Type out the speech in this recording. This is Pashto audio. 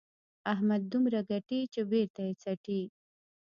احمد دومره ګټي چې بېرته یې څټي.